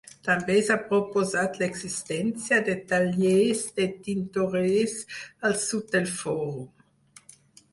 També s'ha proposat l'existència de tallers de tintorers al sud del fòrum.